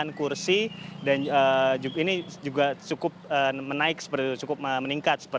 penambahan kursi dan ini juga cukup meningkat